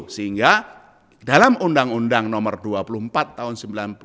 sehingga dalam undang undang nomor dua puluh empat tahun seribu sembilan ratus sembilan puluh sembilan